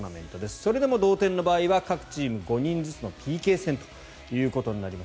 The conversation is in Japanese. それでも同点の場合は各チーム５人ずつのＰＫ戦となります。